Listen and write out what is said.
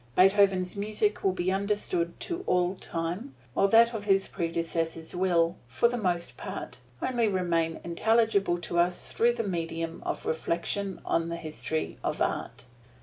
Beethoven's music will be understood to all time, while that of his predecessors will, for the most part, only remain intelligible to us through the medium of reflection on the history of Art.